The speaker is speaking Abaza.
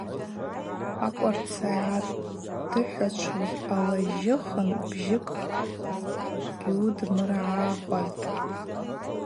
Акӏварцӏа йгӏатыхӏвачвгӏуз алажжыхын бжьыкӏ гьудмыргӏахуазтӏ.